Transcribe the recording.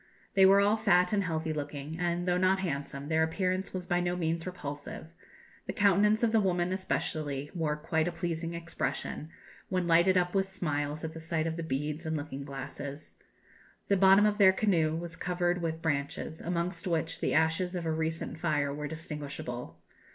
They were all fat and healthy looking, and, though not handsome, their appearance was by no means repulsive; the countenance of the woman, especially, wore quite a pleasing expression, when lighted up with smiles at the sight of the beads and looking glasses. The bottom of their canoe was covered with branches, amongst which the ashes of a recent fire were distinguishable.